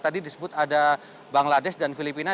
tadi disebut ada bangladesh dan filipina